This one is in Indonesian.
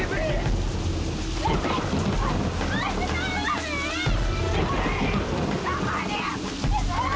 mereka akan membunuhmu